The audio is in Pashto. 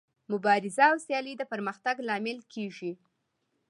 مبارزه او سیالي د پرمختګ لامل کیږي.